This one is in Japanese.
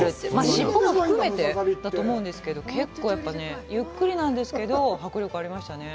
尻尾も含めてだと思うんですけど、結構、ゆっくりなんですけど、迫力ありましたね。